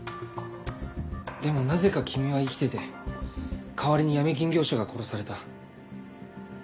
でもなぜか君は生きてて代わりに闇金業者が殺された。